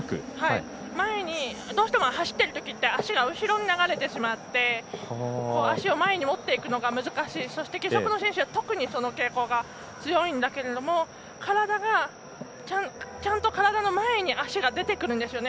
どうしても走ってるときって足が後ろに流れてしまって足を前に持っていくのが難しい、そして義足の選手は特にその傾向が強いんだけれどもちゃんと体の前に足が出てくるんですよね。